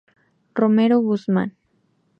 Romero Guzmán.